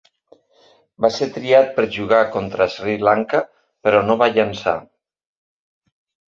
Va ser triat per jugar contra Sri Lanka però no va llançar.